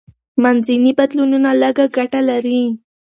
منځني بدلونونه لږه ګټه لري.